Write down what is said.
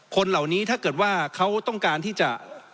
คนเหล่านี้ถ้าเกิดว่าเขาต้องการที่จะ